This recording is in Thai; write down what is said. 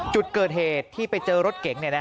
จุดเกิดเหตุที่ไปเจอรถเก๋ง